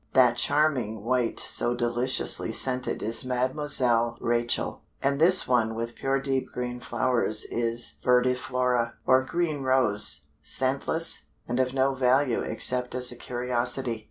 That charming white so deliciously scented is Mademoiselle Rachel, and this one with pure deep green flowers is Verdiflora, or Green Rose, scentless, and of no value except as a curiosity.